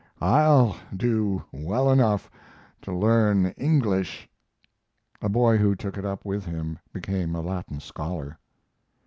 I'll do well enough to learn English." A boy who took it up with him became a Latin scholar.